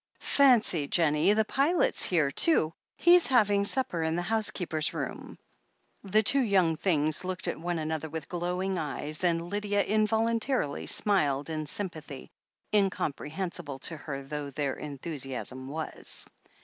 Fancy, Jennie, the pilot's here, too— he's having supper in the housekeeper's room !" The two young things looked at one another with glowing eyes, and Lydia involuntarily smiled in sym pathy, incomprehensible to her though their enthusiasm was.